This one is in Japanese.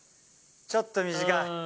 ちょっと短い。